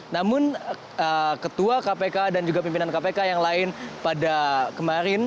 namun ketua kpk dan juga pimpinan kpk yang lain pada kemarin